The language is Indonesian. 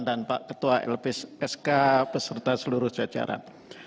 dan pak ketua lpsk beserta seluruh jajaran